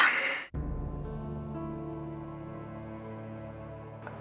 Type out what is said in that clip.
aku juga mencintai kamu mawar